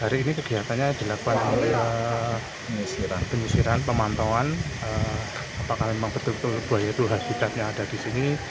hari ini kegiatannya dilakukan oleh penyisiran pemantauan apakah memang betul betul buaya itu habitat yang ada di sini